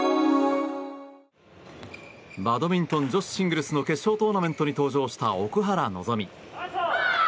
バドミントン女子シングルスの決勝トーナメントに登場した、奥原希望。